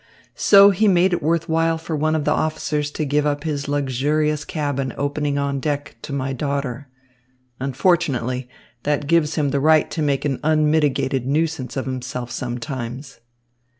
So he made it worth while for one of the officers to give up his luxurious cabin opening on deck to my daughter. Unfortunately, that gives him the right to make an unmitigated nuisance of himself sometimes."